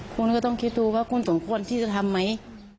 คุณก็ต้องคิดดูว่าคุณสมควรที่จะทำไหม